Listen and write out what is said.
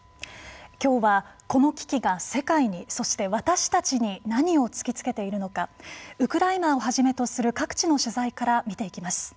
今日は、この危機が世界に、そして私たちに何を突きつけているのかウクライナをはじめとする各地の取材から見ていきます。